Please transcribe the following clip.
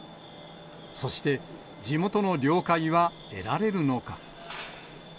そして、地元の了解は得られるのか。